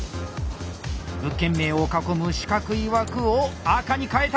物件名を囲む四角い枠を赤に変えた！